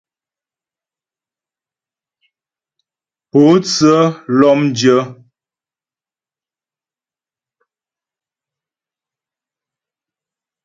Pótsə́ lɔ́mdyə́.